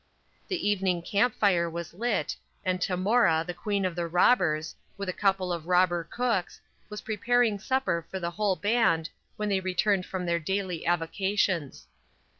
The evening camp fire was lit, and Tamora, the queen of the robbers, with a couple of robber cooks, was preparing supper for the whole band when they returned from their daily avocations.